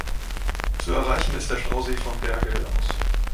Zu erreichen ist der Stausee vom Bergell aus.